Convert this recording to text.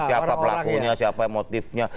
siapa pelakunya siapa motifnya